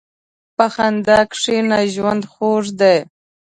په خندا کښېنه، ژوند خوږ دی.